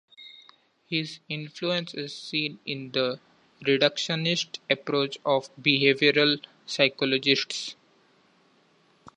His influence is seen in the reductionist approach of behavioral psychologists.